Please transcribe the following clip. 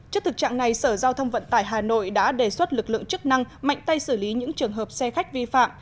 trước thực trạng này sở giao thông vận tải hà nội đã đề xuất lực lượng chức năng mạnh tay xử lý những trường hợp xe khách vi phạm